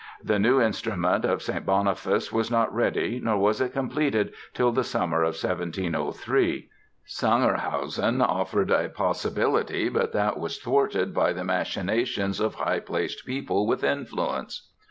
The new instrument of St. Boniface was not ready nor was it completed till the summer of 1703. Sangerhausen offered a possibility, but that was thwarted by the machinations of high placed people with influence.